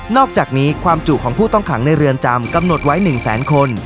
อกจากนี้ความจุของผู้ต้องขังในเรือนจำกำหนดไว้๑แสนคน